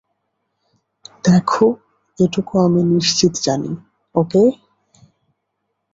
দেখো, এটুকু আমি নিশ্চিত জানি, ওকে?